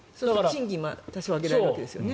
賃金も多少上げられるわけですよね。